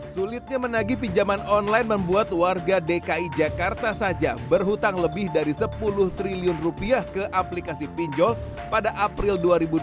sulitnya menagi pinjaman online membuat warga dki jakarta saja berhutang lebih dari sepuluh triliun rupiah ke aplikasi pinjol pada april dua ribu dua puluh